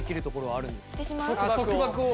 束縛を。